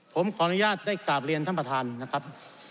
ผมขออนุญาตได้กราบเรียนท่านประธานนะครับ